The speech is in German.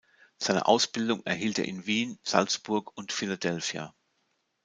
Seine Ausbildung erhielt er in Wien, Salzburg und Philadelphia.